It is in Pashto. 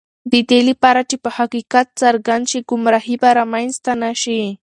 د دې لپاره چې حقیقت څرګند شي، ګمراهی به رامنځته نه شي.